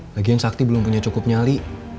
bagian sakti belum punya cukup nyali